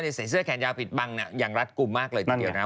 ใส่เสื้อแขนยาวปิดบังอย่างรัดกลุ่มมากเลยทีเดียวนะ